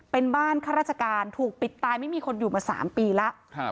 เป็นบ้านข้าราชการถูกปิดตายไม่มีคนอยู่มา๓ปีแล้ว